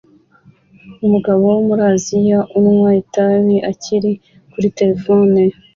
Umugabo wo muri Aziya unywa itabi akiri kuri terefone